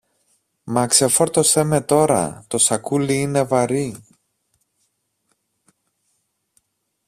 Μα ξεφόρτωσε με τώρα, το σακούλι είναι βαρύ!